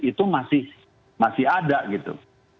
itu masih ada gitu